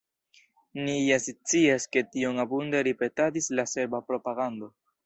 Ni ja scias, ke tion abunde ripetadis la serba propagando.